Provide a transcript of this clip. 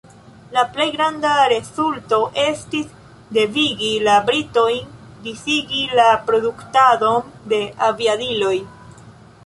La plej granda rezulto estis devigi la britojn disigi la produktadon de aviadiloj.